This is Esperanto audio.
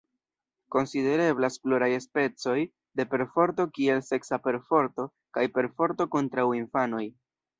Konsidereblas pluraj specoj de perforto kiel seksa perforto kaj perforto kontraŭ infanoj.